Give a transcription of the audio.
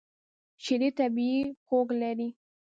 شیدې طبیعي خوږ لري.